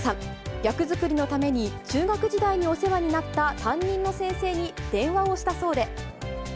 役作りのために、中学時代にお世話になった担任の先生に電話をしたそうで。